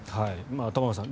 玉川さん